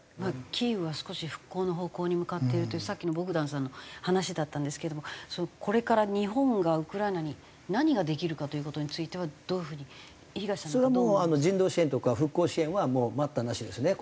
キーウは少し復興の方向に向かってるというさっきのボグダンさんの話だったんですけれどもこれから日本がウクライナに何ができるかという事についてはどういう風に東さんなんかは。人道支援とか復興支援はもう待ったなしですね。